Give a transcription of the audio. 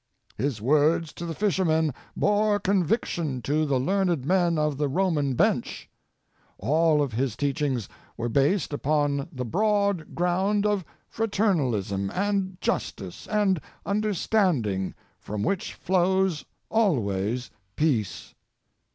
His words to the fishermen bore conviction to the learned men of the Roman bench. All of His teachings were based upon the broad ground of fraternalism, and justice, and understand ing, from which flows always peace.